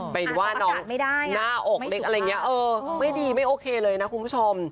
เป็นว่าน้องหน้าอกเล็กอะไรอย่างนี้เออไม่ดีไม่โอเคเลยนะคุณผู้ชม